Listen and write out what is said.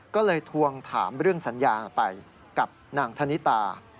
ก็เลยทวงถามเรื่องสัญญาไปกับนางธนิตา